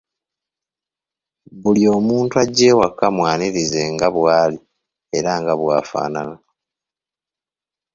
Buli omuntu ajja awaka mwanirize nga bwali era nga bwafaanana.